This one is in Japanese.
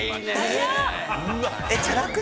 早っ！